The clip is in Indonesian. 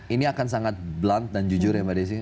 ini akan sangat blunt dan jujur ya mbak desy